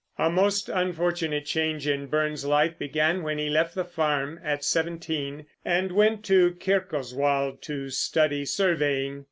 A most unfortunate change in Burns's life began when he left the farm, at seventeen, and went to Kirkoswald to study surveying.